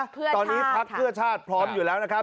ตอนนี้พักเพื่อชาติพร้อมอยู่แล้วนะครับ